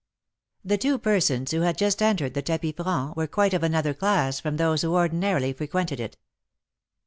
The two persons who had just entered the tapis franc were quite of another class from those who ordinarily frequented it.